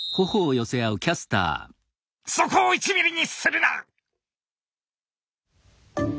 そこを１ミリにするな！